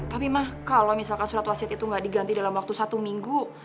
tapi mah kalau misalkan surat wasit itu nggak diganti dalam waktu satu minggu